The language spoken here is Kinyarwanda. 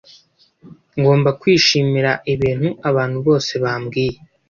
ngomba Kwishimira ibintu abantu bose bambwiye